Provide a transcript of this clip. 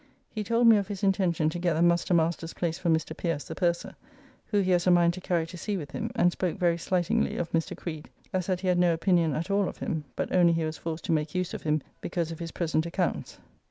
He told me of his intention to get the Muster Master's place for Mr. Pierce, the purser, who he has a mind to carry to sea with him, and spoke very slightingly of Mr. Creed, as that he had no opinion at all of him, but only he was forced to make use of him because of his present accounts.